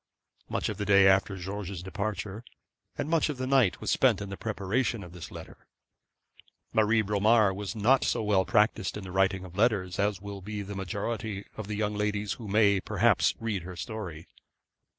Much of the day after George's departure, and much of the night, was spent in the preparation of this letter. Marie Bromar was not so well practised in the writing of letters as will be the majority of the young ladies who may, perhaps, read her history.